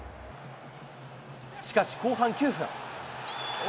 しかし後半９分。